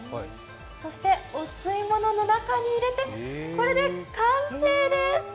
そしてお吸い物の中に入れてこれで完成です。